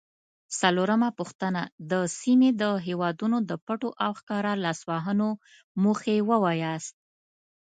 څلورمه پوښتنه: د سیمې د هیوادونو د پټو او ښکاره لاسوهنو موخې ووایاست؟